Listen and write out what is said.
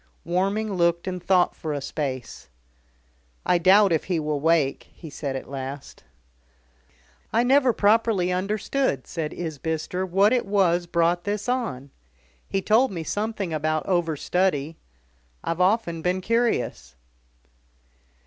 Warming looked and thought for a space. "I doubt if he will wake," he said at last. "I never properly understood," said Isbister, "what it was brought this on. He told me something about overstudy. I've often been curious."